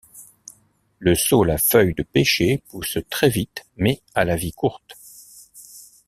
Le saule à feuilles de pêcher pousse très vite mais a la vie courte.